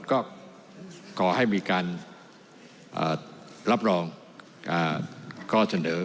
ก็ขอให้มีการรับรองข้อเสนอ